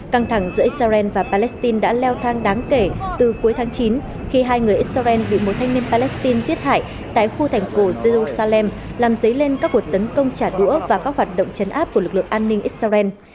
căng thẳng giữa israel và palestine đã leo thang đáng kể từ cuối tháng chín khi hai người israel bị một thanh niên palestine giết hại tại khu thành cổ jerusalem làm dấy lên các cuộc tấn công trả đũa và các hoạt động chấn áp của lực lượng an ninh israel